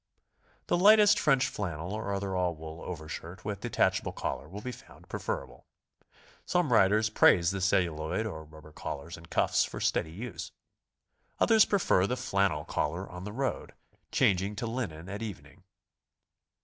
The lightest French flannel or other alLwool over shirt with detachable collar will be found preferable. Some riders praise the celluloid or rubber collars and cuffs for steady use. Others prefer the flannel 'Collar on the road, changing to linen at evening.